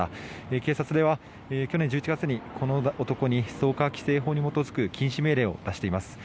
警察では去年１１月に、この男にストーカー規制法に基づく禁止命令を出しています。